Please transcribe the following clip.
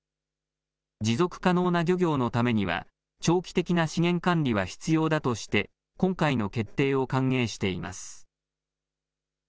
持続可能な漁業のためには長期的な資源管理は必要だとして、今回の決定を歓迎しています。